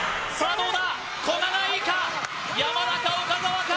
どうだ